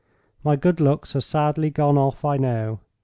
My good looks are sadly gone off, I know.